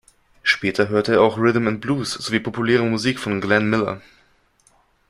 Später hörte er auch Rhythm and Blues sowie populäre Musik von Glenn Miller.